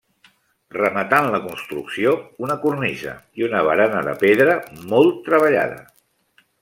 Rematant la construcció, una cornisa, i una barana de pedra molt treballada.